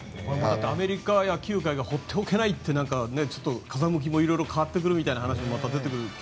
アメリカ野球界が放っておけないって風向きもいろいろ変わってくるという話もね。